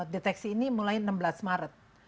deteksi ini mulai enam belas maret